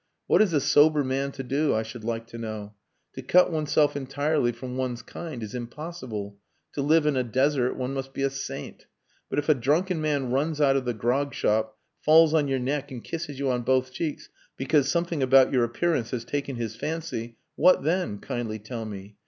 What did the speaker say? What is a sober man to do, I should like to know? To cut oneself entirely from one's kind is impossible. To live in a desert one must be a saint. But if a drunken man runs out of the grog shop, falls on your neck and kisses you on both cheeks because something about your appearance has taken his fancy, what then kindly tell me?